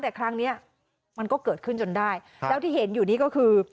แต่ครั้งเนี้ยมันก็เกิดขึ้นจนได้แล้วที่เห็นอยู่นี้ก็คือ